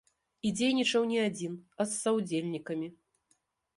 І дзейнічаў не адзін, а з саўдзельнікамі.